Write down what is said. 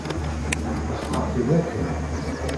Leḥqeɣ-t-id akken.